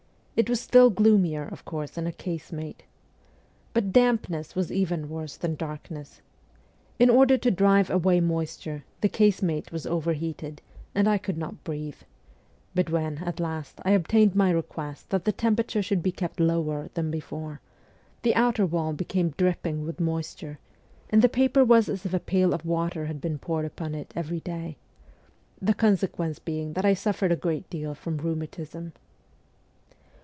It was still gloomier, of course, in a casemate. But dampness was even worse than darkness. In order to drive away moisture the casemate was overheated, and I could not breathe ; but when, at last, I obtained my request, that the temperature should be kept lower than before, the outer wall became dripping with moisture j and the paper was as if a pail of water had been poured upon it every day the consequence being that I suffered a great deal from rheumatism.